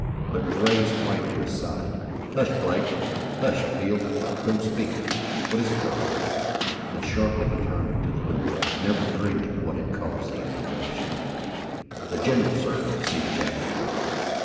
But Ray sprang to his side. "Hush, Blake! Hush, Field! Don't speak. What is it, Hogan?" And sharply he turned him to the door, never dreaming what had caused the interruption. "The general, sir, to see the captain!"